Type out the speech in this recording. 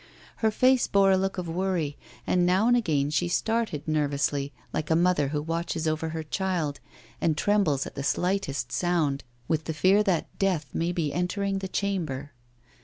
Her face bore a look of worry, and now and again she started nervously, like a mother who watches over her child and trembles at the slightest sound, with the fear that death may be entering the chamber.